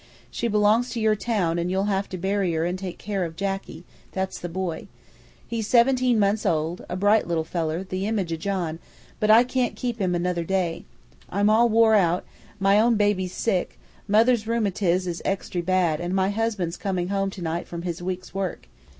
She belongs to your town and you'll have to bury her and take care of Jacky that's the boy. He's seventeen months old, a bright little feller, the image o' John, but I can't keep him another day. I'm all wore out; my own baby's sick, mother's rheumatiz is extry bad, and my husband's comin' home tonight from his week's work.